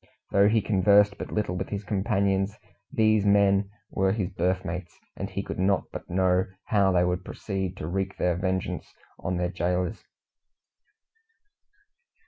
Though he conversed but little with his companions, these men were his berth mates, and he could not but know how they would proceed to wreak their vengeance on their gaolers.